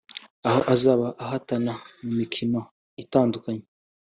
aho bazaba bahatana mu mikino itandukanye